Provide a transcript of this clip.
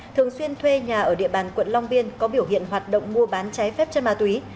thường xuyên thuê nhà ở địa bàn quận long biên có biểu hiện hoạt động mua bán trái phép chân ma túy